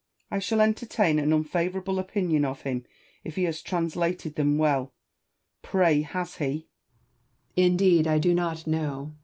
I shall entertain an unfavourable opinion of him if he has translated them well : pray, has he ? Southey. Indeed, I do not know.